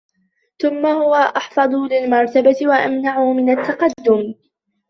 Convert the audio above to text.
ثُمَّ هُوَ أَخْفَضُ لِلْمَرْتَبَةِ وَأَمْنَعُ مِنْ التَّقَدُّمِ